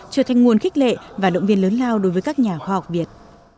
trở thành nguồn khích lệ và động viên lớn lao đối với các nhà khoa học việt